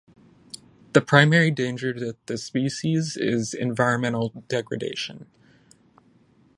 The primary danger to the species is environmental degradation.